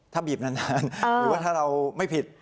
ถ้าบีบนานหรือว่าถ้าเราไม่ผิด